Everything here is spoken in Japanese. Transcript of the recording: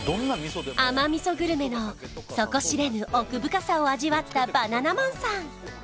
甘味噌グルメの底知れぬ奥深さを味わったバナナマンさん